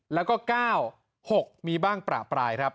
แล้วก็๙๖มีบ้างประปรายครับ